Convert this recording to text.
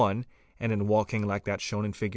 and in walking like that shown in Fig.